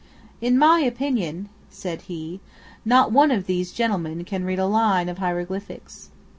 "In my opinion," said he, "not one of these gentlemen can read a line of hieroglyphics."